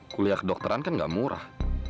kuliah kedokteran kan gak murah